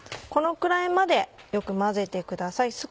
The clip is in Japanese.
このくらいまでよく混ぜてください。